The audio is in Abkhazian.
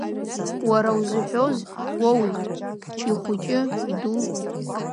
Уара узыҳәоз уоуит, ихәыҷы, иду.